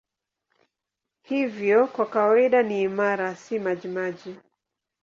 Hivyo kwa kawaida ni imara, si majimaji.